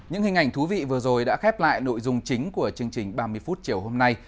những hình ảnh thú vị vừa rồi đã khép lại nội dung chính của chương trình ba mươi phút chiều hôm nay